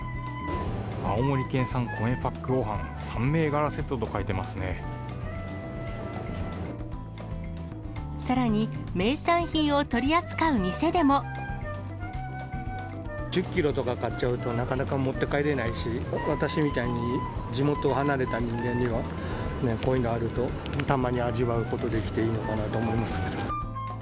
青森県産米パックごはん３銘さらに、名産品を取り扱う店１０キロとか買っちゃうと、なかなか持って帰れないし、私みたいに地元離れた人間には、こういうのあると、たまに味わうことできて、いいのかなと思いますけど。